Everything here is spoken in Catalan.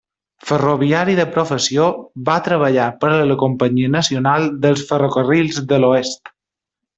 Ferroviari de professió, va treballar per a la Companyia Nacional dels Ferrocarrils de l'Oest.